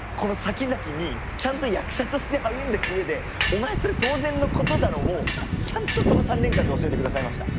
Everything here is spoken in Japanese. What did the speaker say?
ちゃんと役者として励んでく上で「お前それ当然のことだろ」をちゃんとその３年間で教えてくださいました。